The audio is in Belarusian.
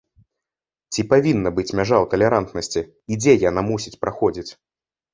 Ці павінна быць мяжа ў талерантнасці і дзе яна мусіць праходзіць?